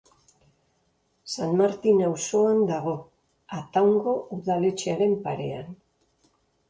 San Martin auzoan dago, Ataungo udaletxearen parean.